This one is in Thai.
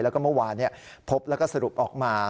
แล้วก็เมื่อวานพบแล้วก็สรุปออกมา